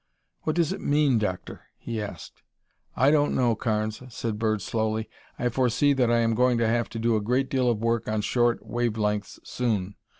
"What does it mean, Doctor?" he asked. "I don't know, Carnes," said Dr. Bird slowly. "I foresee that I am going to have to do a great deal of work on short wave lengths soon.